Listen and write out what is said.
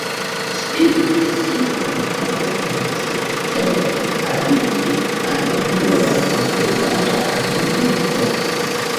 Spite tion poste li sukcese aliĝis al la nova hungara armeo.